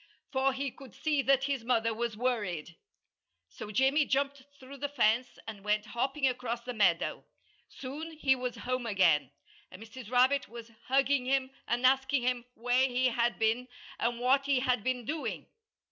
For he could see that his mother was worried. So Jimmy jumped through the fence and went hopping across the meadow. Soon he was home again; and Mrs. Rabbit was hugging him and asking him where he had been and what he had been doing.